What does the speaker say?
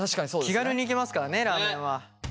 気軽に行けますからねラーメンは。